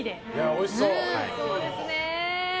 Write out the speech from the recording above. おいしそうですね！